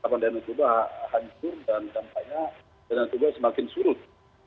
danau tuba hancur dan dampaknya danau tuba semakin surut